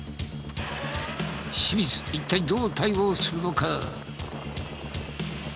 清水一体どう対応するのか？